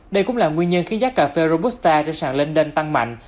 đây cũng là nguyên nhân khiến giác cà phê robusta trên sàn london tăng mạnh